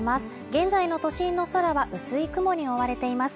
現在の都心の空は薄い雲に覆われています